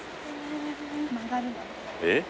えっ？